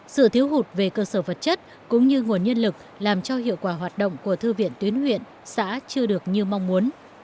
sự thiếu hụt về cơ sở vật chất cũng như nguồn nhân lực làm cho hiệu quả hoạt động của thư viện tuyến huyện xã chưa được như mong muốn